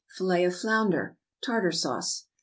=Fillet of Flounder, Tartar Sauce.